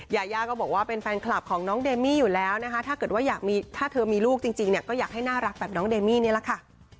ยายาก็บอกว่าเป็นแฟนคลับของน้องเดมี่อยู่แล้วนะคะถ้าเกิดว่าอยากมีถ้าเธอมีลูกจริงเนี่ยก็อยากให้น่ารักแบบน้องเดมี่นี่แหละค่ะ